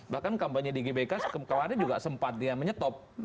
bahkan kampanye di gbk kemarin juga sempat dia menyetop